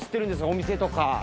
お店とか。